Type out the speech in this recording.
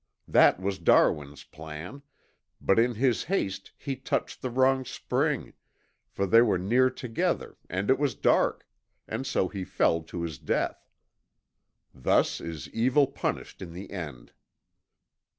That was Darwin's plan, but in his haste he touched the wrong spring, for they were near together and it was dark, and so he fell to his death. Thus is evil punished in the end."